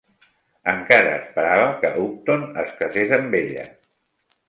Encara esperava que Houghton es casés amb ella.